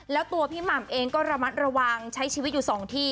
แล้วตัวพี่หม่ำเองก็ระมัดระวังใช้ชีวิตอยู่สองที่